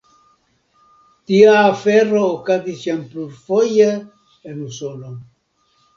Tia afero okazis jam plurfoje en Usono.